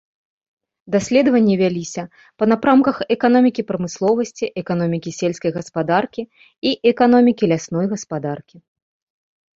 Даследаванні вяліся па напрамках эканомікі прамысловасці, эканомікі сельскай гаспадаркі і эканомікі лясной гаспадаркі.